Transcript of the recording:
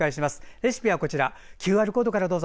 レシピはＱＲコードからどうぞ。